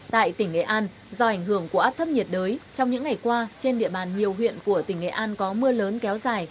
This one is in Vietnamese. tại tỉnh nghệ an do ảnh hưởng của áp thấp nhiệt đới trong những ngày qua trên địa bàn nhiều huyện của tỉnh nghệ an có mưa lớn kéo dài